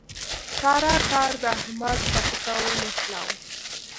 سارا کار د احمد په پښه ونښلاوو.